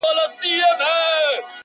د لوی ځنګله پر څنډه.!